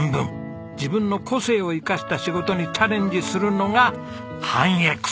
自分の個性を生かした仕事にチャレンジするのが半Ｘ。